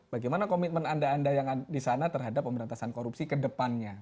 bagaimana komitmen anda anda yang ada di sana terhadap pemberantasan korupsi ke depannya